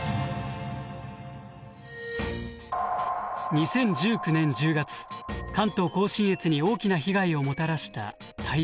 ２０１９年１０月関東甲信越に大きな被害をもたらした台風１９号。